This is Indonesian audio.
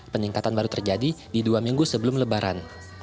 peningkatan baru terjadi di dua minggu sebelum lebaran